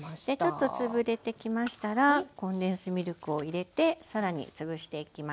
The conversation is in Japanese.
ちょっと潰れてきましたらコンデンスミルクを入れて更に潰していきます。